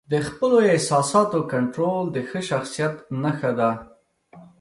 د خپلو احساساتو کنټرول د ښه شخصیت نښه ده.